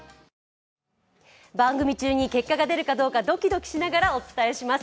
番組中に結果が出るかどうか、ドキドキしながらお伝えします。